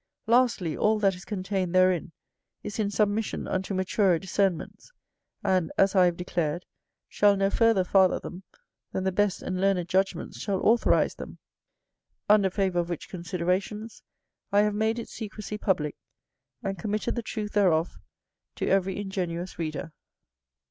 Lastly, all that is contained therein is in submission unto maturer discernments; and, as I have declared, shall no further father them than the best and learned judgments shall authorize them: under favour of which considerations, I have made its secrecy publick, and committed the truth thereof to every ingenuous reader.